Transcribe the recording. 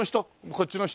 こっちの人？